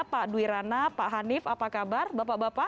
pak dwirana pak hanif apa kabar bapak bapak